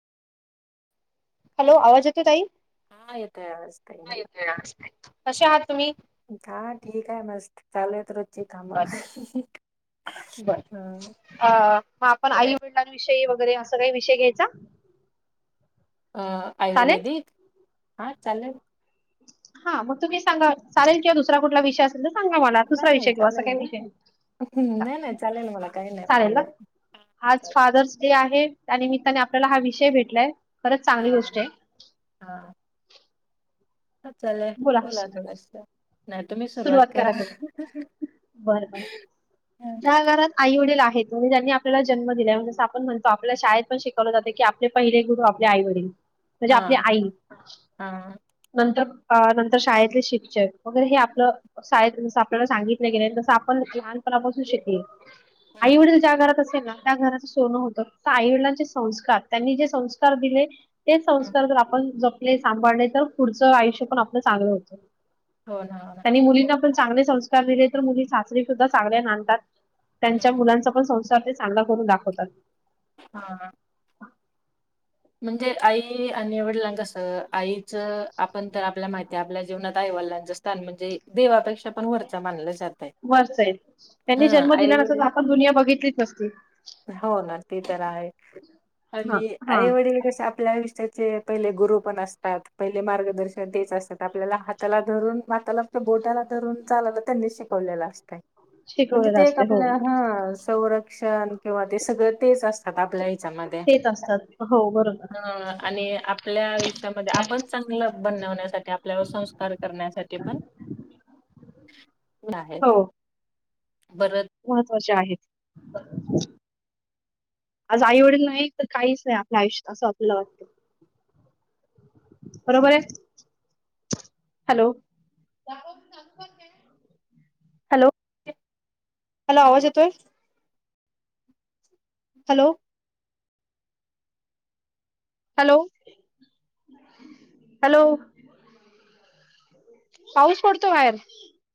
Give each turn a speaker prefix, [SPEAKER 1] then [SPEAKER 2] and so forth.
[SPEAKER 1] Hello आवाज येतो ताई,
[SPEAKER 2] हा येतोय आवाज ताई मला.
[SPEAKER 1] कसे आहात तुम्ही?
[SPEAKER 2] हा ठीक आहे मस्त चालु ये तर काम अ
[SPEAKER 1] अ मग आपण आई वडिलांविषयी वगैरे असं काही विषय घ्यायचा
[SPEAKER 2] अ
[SPEAKER 1] चालेल?
[SPEAKER 2] आयुर्वेदिक हा चालेल
[SPEAKER 1] हां मग तुम् सांग चालेलिंवाुसरा कुठ विषय सांगा मला
[SPEAKER 2] नाही
[SPEAKER 1] दुसरा विषय
[SPEAKER 2] नाही
[SPEAKER 1] किंवा असा
[SPEAKER 2] चालेल
[SPEAKER 1] काही
[SPEAKER 2] ना
[SPEAKER 1] विषय
[SPEAKER 2] नाही नाही चालेल मला काही नाही प्रॉब्लेम हा
[SPEAKER 1] हाज
[SPEAKER 2] चालेल.
[SPEAKER 1] फादर्स डे आहे त्यानिमित्ताने आपल्याला हा विषय भेटलाय खरंच
[SPEAKER 2] हा
[SPEAKER 1] चांगली गोष्ट आहे.
[SPEAKER 2] हा ह चालेय
[SPEAKER 1] बोला
[SPEAKER 2] तोला स
[SPEAKER 1] सुरुवात कराय हो बर बर ज्या घरात आई वडील आहेत म्हणजे त्यांनी आपल्याला जन्म दिलायं आपण म्हणतो आपल्या शाळेत पण शिकवलं जाते की पहिले गुरु आपल्या आई वडील म्हणजे
[SPEAKER 2] हा
[SPEAKER 1] आपली
[SPEAKER 2] हा
[SPEAKER 1] आई
[SPEAKER 2] हा
[SPEAKER 1] नंतर नंतर शाळेतले शिक्षक वगैरे हे आपल्याला सांगितलं गे तस आपण लहानपणापासून शे
[SPEAKER 2] हम्म
[SPEAKER 1] आईव ज्या घरात असेल ना त्या घराचं सोनं होत तर आईला जे संस्कार त्यांनी जे संस्कार दिले ते
[SPEAKER 2] हम्म
[SPEAKER 1] संस्कार जर आपण जपले सांभाळले तर पुढचं आयुष्य पण आपलं चांगलं होतं
[SPEAKER 2] हो ना ह
[SPEAKER 1] आणि मुलींना पण चांगले संस्कार दिले तर मुली सासरी सुद्धा चांगले नांदतात. त्यांच्या
[SPEAKER 2] हम्म.
[SPEAKER 1] मुलांचा पण संसार ते चांगला करून दाखवतात
[SPEAKER 2] हा म्हणजे आई आणि वडिलांच कसं आईचं आपण तर आपल्याला माहिती ते आपल्या जिवणात आई वडिलांच स्थान म्हणजे देवापेक्षा पण वरचं मानलं जातंय.
[SPEAKER 1] वर्ष आहे त्यांनी
[SPEAKER 2] हां.
[SPEAKER 1] जन्म दिला नस
[SPEAKER 2] आई-वडील
[SPEAKER 1] आपण दुनिया बघितलीच नसते ते
[SPEAKER 2] हो ना ते तर आहे
[SPEAKER 1] हा
[SPEAKER 2] आणि
[SPEAKER 1] हा
[SPEAKER 2] आईवडील आपल्या आयुष्याचे पहिले गुरु पण असतात पहिले मार्गदर्शन तेच असतात आपल्याला त्याला धरून माताला त्या बोटाला धरून चालाला त्यांनी शिकवलेलं असतंय म्हणजे
[SPEAKER 1] शिकवलेलं
[SPEAKER 2] ते एक
[SPEAKER 1] असते हो.
[SPEAKER 2] आपल्या हा संरक्षण किंवा ते सगळं तेच असतात आपल्या ह्याच्यामध्ये
[SPEAKER 1] तेेत असतात हो बरोबर
[SPEAKER 2] आणि आपल्या आयुष्यामध्ये आपण चगल बनवण्यासाठी आपल्यावर संस्कार करण्यासाठी पण आहेत परत
[SPEAKER 1] महत्वाचे आहेत आज आईवड नाही तर काहीच नाही आपल्या आयुष्यात असं आपलं वाटते बरोबर आहे हॅलो हॅलो हॅलो आवाज येतोय हॅलो हॅलो हॅलो पाऊस पडतो बाहेर